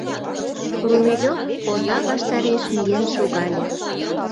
Румелёв оза ваштареш миен шогале.